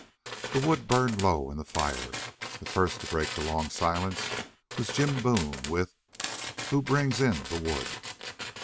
The wood burned low in the fire. The first to break the long silence was Jim Boone, with "Who brings in the wood?"